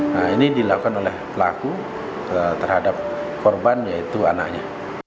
nah ini dilakukan oleh pelaku terhadap korban yaitu anaknya